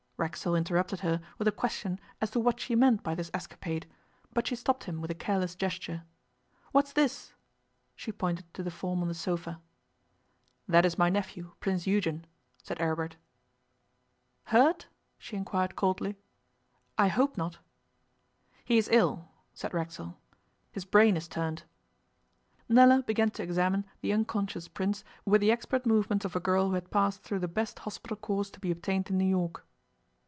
Racksole interrupted her with a question as to what she meant by this escapade, but she stopped him with a careless gesture. 'What's this?' She pointed to the form on the sofa. 'That is my nephew, Prince Eugen,' said Aribert. 'Hurt?' she inquired coldly. 'I hope not.' 'He is ill,' said Racksole, 'his brain is turned.' Nella began to examine the unconscious Prince with the expert movements of a girl who had passed through the best hospital course to be obtained in New York.